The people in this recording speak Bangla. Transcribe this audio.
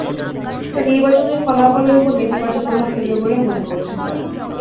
এটা নির্বাচনের ফলাফলের ওপর নেতিবাচক প্রভাব ফেলবে বলেও মনে করছেন তাঁরা।